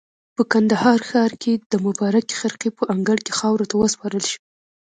په کندهار ښار کې د مبارکې خرقې په انګړ کې خاورو ته وسپارل شو.